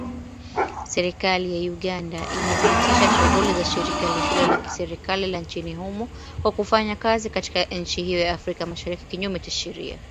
Serikali ya Uganda imesitisha shughuli za shirika lisilo la kiserikali la nchini humo, kwa kufanya kazi katika nchi hiyo ya Afrika Mashariki kinyume cha sheria.